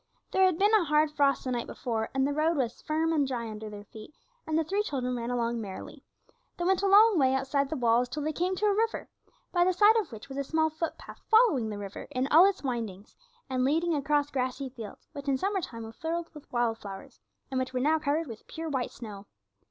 There had been a hard frost the night before, and the road was firm and dry under their feet, and the three children ran along merrily. They went a long way outside the walls till they came to a river, by the side of which was a small footpath following the river in all its windings, and leading across grassy fields, which in summer time were filled with wild flowers, and which were now covered with pure white snow.